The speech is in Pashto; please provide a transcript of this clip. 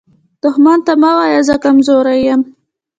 دښمن ته مه وایه “زه کمزوری یم”